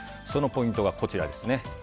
そのポイントがこちら。